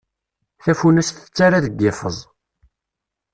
Tafunast tettarra deg liffeẓ.